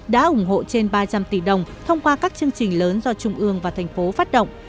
đã ủng hộ trên ba trăm linh tỷ đồng thông qua các chương trình lớn do trung ương và thành phố phát động